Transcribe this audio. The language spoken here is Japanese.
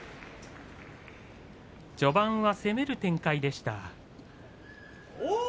序盤は攻める展開でした。